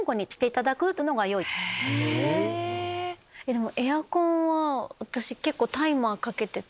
でもエアコンは私結構タイマーかけてて。